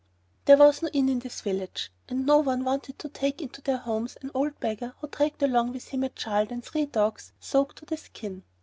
There was no inn in this village and no one wanted to take into their homes an old beggar who dragged along with him a child and three dogs, soaked to the skin.